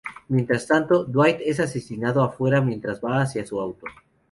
Mientras tanto, Dwight es asesinado afuera mientras va hacia su auto.